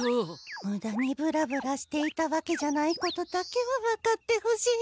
ムダにブラブラしていたわけじゃないことだけは分かってほしい。